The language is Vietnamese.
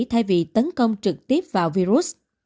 thay vì tấn công trực tiếp vào virus